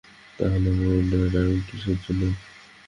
তা হলে এমন অন্যায় রাগ কিসের জন্যে?